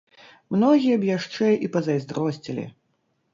Многія б яшчэ і пазайздросцілі.